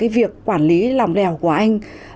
việc quản lý lòng lèo của anh